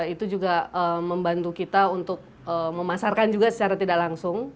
itu juga membantu kita untuk memasarkan juga secara tidak langsung